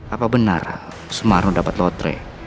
apa benar sumarno dapat lotre